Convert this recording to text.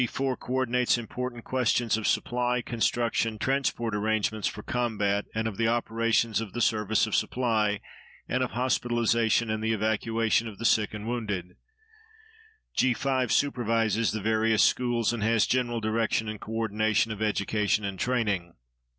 4 co ordinates important questions of supply, construction, transport arrangements for combat, and of the operations of the service of supply, and of hospitalization and the evacuation of the sick and wounded; G. 5 supervises the various schools and has general direction and co ordination of education and training.